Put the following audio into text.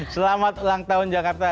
selamat ulang tahun jakarta